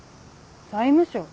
財務省？